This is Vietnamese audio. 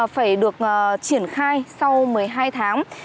phải được triển khai sau một mươi hai tháng